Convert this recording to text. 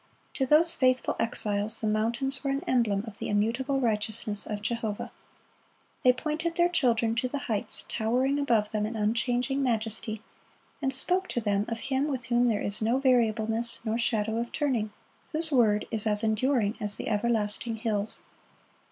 To those faithful exiles the mountains were an emblem of the immutable righteousness of Jehovah. They pointed their children to the heights towering above them in unchanging majesty, and spoke to them of Him with whom there is no variableness nor shadow of turning, whose word is as enduring as the everlasting hills.